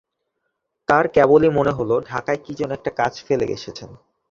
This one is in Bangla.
তাঁর কেবলি মনে হল, ঢাকায় কী যেন একটা কাজ ফেলে এসেছেন।